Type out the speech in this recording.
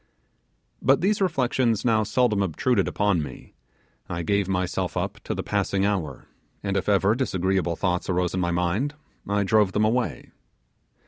But these reflections now seldom obtruded upon me; I gave myself up to the passing hour, and if ever disagreeable thoughts arose in my mind, I drove them away.